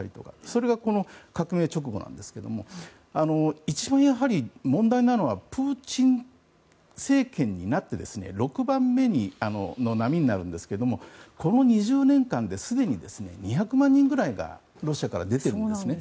それが、この革命直後なんですが一番問題なのはプーチン政権になって６番目の波になるんですけどもこの２０年間ですでに２００万人くらいがロシアから出ているんですね。